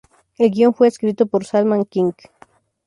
El guion fue escrito por Zalman King.